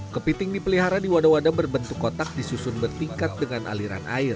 kepiting dipelihara di wadah wadah berbentuk kotak disusun bertingkat dengan aliran air